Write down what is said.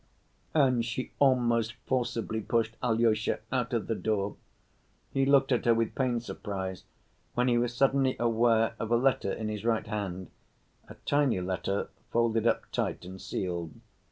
And she almost forcibly pushed Alyosha out of the door. He looked at her with pained surprise, when he was suddenly aware of a letter in his right hand, a tiny letter folded up tight and sealed.